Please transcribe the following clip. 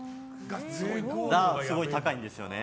だから、すごい高いんですよね。